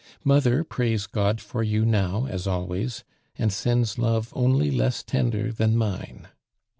Mother prays God for you now, as always, and sends love only less tender than mine.